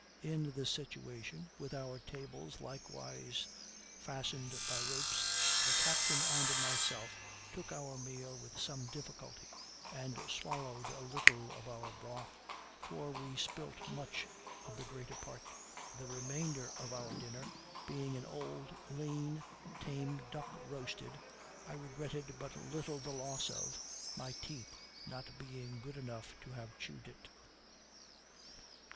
In this situation, with our tables likewise fastened by ropes, the captain and myself took our meal with some difficulty, and swallowed a little of our broth, for we spilt much the greater part. The remainder of our dinner being an old, lean, tame duck roasted, I regretted but little the loss of, my teeth not being good enough to have chewed it.